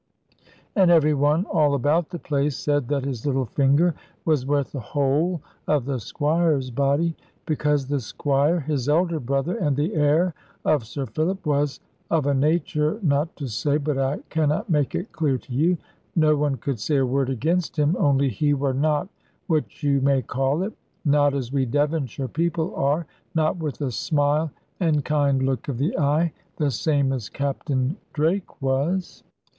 And every one all about the place said that his little finger was worth the whole of the Squire's body. Because the Squire, his elder brother, and the heir of Sir Philip, was of a nature, not to say but I cannot make it clear to you. No one could say a word against him; only he were not, what you may call it, not as we Devonshire people are, not with a smile and kind look of the eye, the same as Captain Drake was.